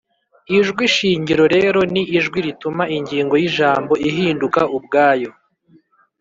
Ijwi shingiro rero ni ijwi rituma ingingo y’ijambo ihinduka ubwayo